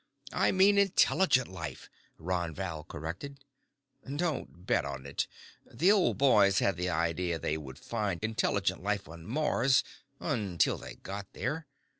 "I mean intelligent life," Ron Val corrected. "Don't bet on it. The old boys had the idea they would find intelligent life on Mars, until they got there.